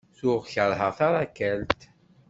Tuɣ kerheɣ tarakalt.